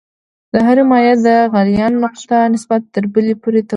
د هرې مایع د غلیان نقطه نسبت تر بلې توپیر کوي.